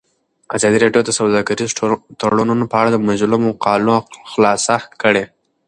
ازادي راډیو د سوداګریز تړونونه په اړه د مجلو مقالو خلاصه کړې.